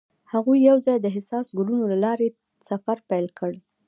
هغوی یوځای د حساس ګلونه له لارې سفر پیل کړ.